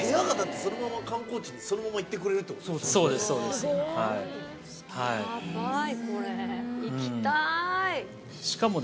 そのまま観光地にそのまま行ってくれるってことですか。